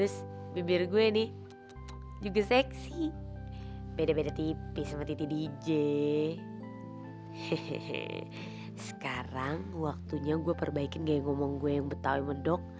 sekarang waktunya gue perbaikin kayak ngomong gue yang betawai medok